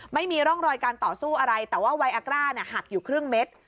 ไม่มีร่องรอยการต่อสู้อะไรแต่ว่าไวอากร่าหักอยู่ครึ่งเม็ด